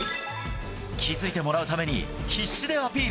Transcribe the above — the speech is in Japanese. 気付いてもらうために必死でアピール。